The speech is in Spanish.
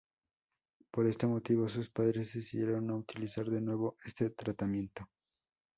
Por este motivo, sus padres decidieron no utilizar de nuevo este tratamiento.